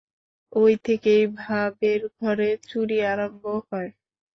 ঐ থেকেই ভাবের ঘরে চুরি আরম্ভ হয়।